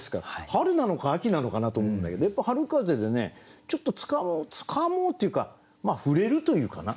春なのか秋なのかなと思うんだけどやっぱ春風でねちょっとつかもうというか触れるというかな。